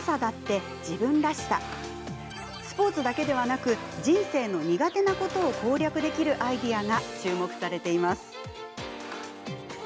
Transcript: スポーツだけでなく人生の苦手なことを攻略できるアイデアが注目されています。